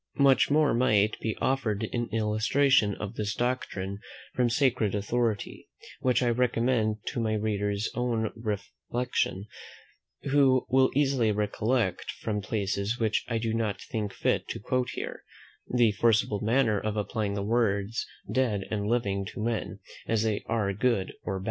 Much more might be offered in illustration of this doctrine from sacred authority, which I recommend to my reader's own reflection; who will easily recollect, from places which I do not think fit to quote here, the forcible manner of applying the words dead and living to men, as they are good or bad.